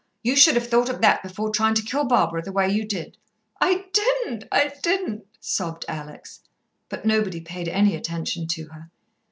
You should have thought of that before trying to kill Barbara the way you did." "I didn't, I didn't," sobbed Alex. But nobody paid any attention to her.